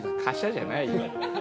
じゃないよ。